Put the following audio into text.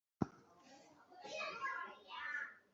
蛟洋镇是中国福建省龙岩市上杭县下辖的一个镇。